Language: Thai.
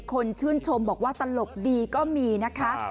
คนชื่นชมบอกว่าตลกดีก็มีนะคะ